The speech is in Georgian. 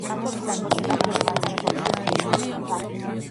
დემნას ერთადერთი შთაგონების წყარო იყო მისი ბებია.